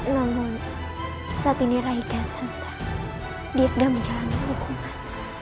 namun saat ini rai kian santang dia sedang menjalani hukuman